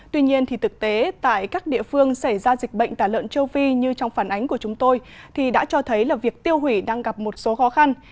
tuy nhiên thì thực tế tại các địa phương xảy ra dịch bệnh tả lợn châu phi như trong phản ánh của chúng tôi thì đã cho thấy là việc tiêu hủy đang gặp một số khó khăn